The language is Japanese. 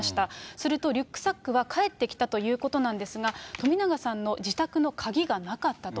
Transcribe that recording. すると、リュックサックは返ってきたということなんですが、冨永さんの自宅の鍵がなかったと。